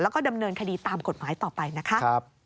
แล้วก็ดำเนินคดีตามกฎหมายต่อไปนะคะ